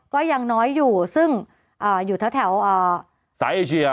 ก็ยังน้อยอยู่ซึ่งอยู่แถวสายเอเชีย